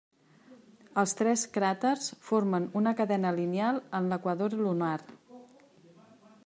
Els tres cràters formen una cadena lineal en l'equador lunar.